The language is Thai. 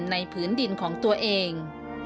ผืนดินของตัวเอง